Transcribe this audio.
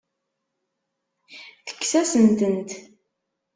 Tekkes-asent-tent.